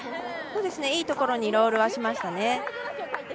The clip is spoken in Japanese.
いいところにロールはしましたね。